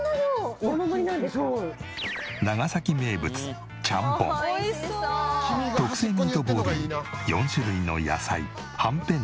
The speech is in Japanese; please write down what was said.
「美味しそう」特製ミートボールに４種類の野菜はんぺんなど